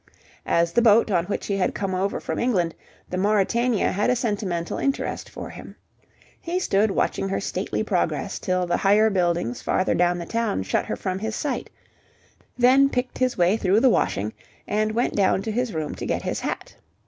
As the boat on which he had come over from England, the Mauritania had a sentimental interest for him. He stood watching her stately progress till the higher buildings farther down the town shut her from his sight; then picked his way through the washing and went down to his room to get his hat.